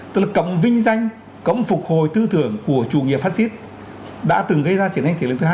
tức là cộng vinh danh cộng phục hồi tư thưởng của chủ nghĩa phát xít đã từng gây ra triển ngay thiệt lực thứ hai